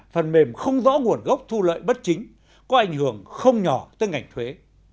phần mềm không rõ nguồn gốc thu lợi bất chính có ảnh hưởng không nhỏ tới ngành thuế